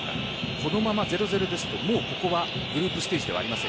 このまま０−０ですとここはグループステージではありません。